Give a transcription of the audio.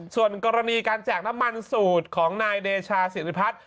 ส่วนกรณีการแจกน้ำมันสูตรของนายเดชาศิริพัฒน์